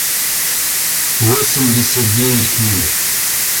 восемьдесят девять книг